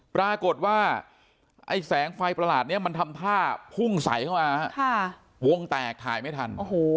ปรากฏว่าไอ้แสงไฟประหลาดนี้มันทำท่าพุ่งใสเข้ามาวงแตกถ่ายไม่ทัน